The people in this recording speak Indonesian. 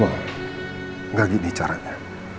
ma gak gini caranya